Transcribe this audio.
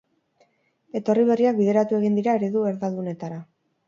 Etorri berriak bideratu egin dira eredu erdaldunetara.